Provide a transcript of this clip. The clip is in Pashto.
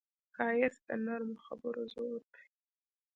ښایست د نرمو خبرو زور دی